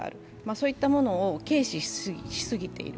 そういったものを軽視しすぎている。